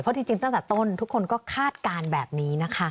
เพราะจริงตั้งแต่ต้นทุกคนก็คาดการณ์แบบนี้นะคะ